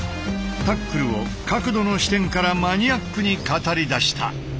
タックルを角度の視点からマニアックに語りだした。